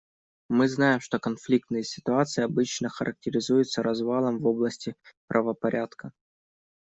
Мы знаем, что конфликтные ситуации обычно характеризуются развалом в области правопорядка.